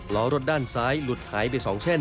ล้อรถด้านซ้ายหลุดหายไป๒เส้น